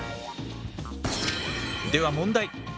では問題。